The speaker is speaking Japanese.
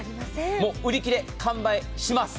もう売り切れ、完売します。